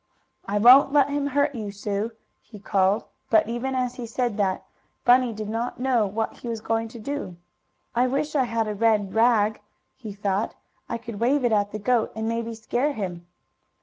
"I won't let him hurt you, Sue!" he called, but, even as he said that, Bunny did not know what he was going to do. "I wish I had a red rag," he thought, "I could wave it at the goat and maybe scare him."